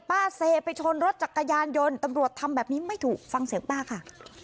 เสพไปชนรถจักรยานยนต์ตำรวจทำแบบนี้ไม่ถูกฟังเสียงป้าค่ะ